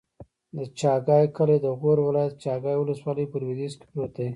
د چاګای کلی د غور ولایت، چاګای ولسوالي په لویدیځ کې پروت دی.